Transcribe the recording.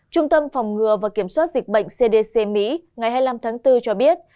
trung tâm phòng ngừa và kiểm soát dịch bệnh cdc mỹ ngày hai mươi năm tháng bốn cho biết